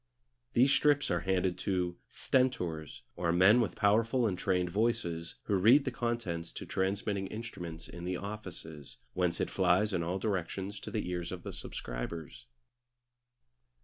These strips are handed to "stentors," or men with powerful and trained voices, who read the contents to transmitting instruments in the offices, whence it flies in all directions to the ears of the subscribers.